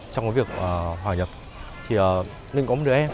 trong việc hòa nhập thì mình có một đứa em